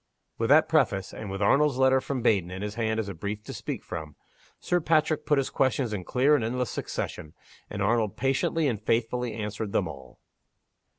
With that preface, and with Arnold's letter from Baden in his hand as a brief to speak from, Sir Patrick put his questions in clear and endless succession; and Arnold patiently and faithfully answered them all.